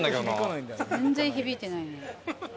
全然響いてないね。